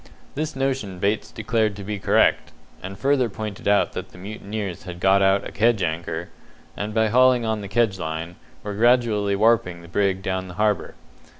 This notion Bates declared to be correct, and further pointed out that the mutineers had got out a kedge anchor, and by hauling on the kedge line, were gradually warping the brig down the harbour.